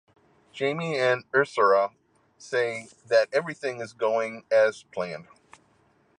Jaime and Isaura say that everything is going as planned.